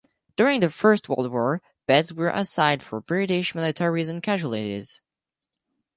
During the First World War beds were set aside for British military casualties.